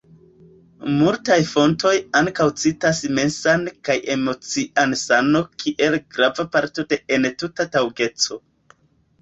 Multaj fontoj ankaŭ citas mensan kaj emocian sano kiel grava parto de entuta taŭgeco.